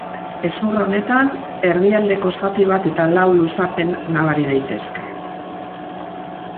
Hezur honetan, erdialdeko zati bat eta lau luzapen nabari daitezke.